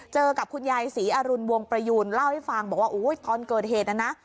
กับคุณยายศรีอรุณวงประยูนเล่าให้ฟังบอกว่าโอ้ยตอนเกิดเหตุนะนะ